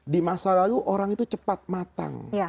di masa lalu orang itu cepat matang